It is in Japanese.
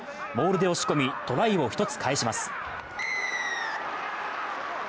モールで押し込み、トライを１つ返します。